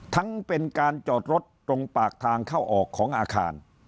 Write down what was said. เป็นการจอดรถตรงปากทางเข้าออกของอาคาร